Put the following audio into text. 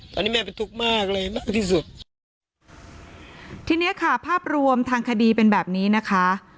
ตอนนี้แม่เป็นทุกข์มากเลยมากที่สุดทีเนี้ยค่ะภาพรวมทางคดีเป็นแบบนี้นะคะ